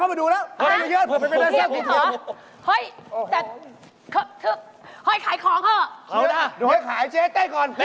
เอาล่ะเดี๋ยวให้ขายเจ๊เต้ก่อน